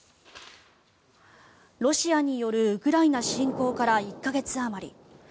ロシアによるウクライナ侵攻から１か月あまり。